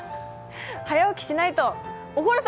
早起きしないと怒るぞ！